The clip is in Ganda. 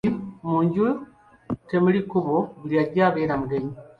Manya nti mu nju temuli kkubo buli ajja abeera mugenyi.